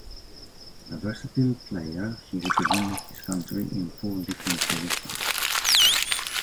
A versatile player, he represented his country in four different positions.